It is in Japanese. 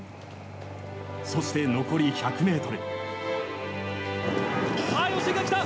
そして、残り１００ｍ。